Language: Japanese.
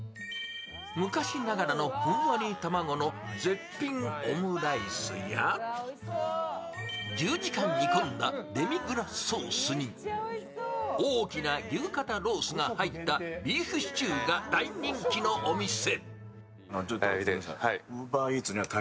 昔ながらのふんわり卵の絶品オムライスや１０時間煮込んだデミグラスソースに大きな牛肩ロースが入ったビーフシチューが大人気のお店。